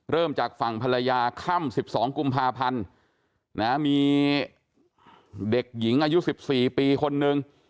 เริ่มจากฝั่งภรรยาค่ำ๑๒กุมภาพันธ์มีเด็กหญิงอายุ๑๔ปีคนนึง